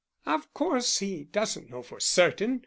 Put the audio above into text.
"Of course he doesn't know for certain.